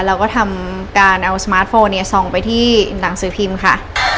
เราก็ทำการเอาสมาร์ทโฟนเนี่ยส่องไปที่หนังสือพิมพ์ค่ะ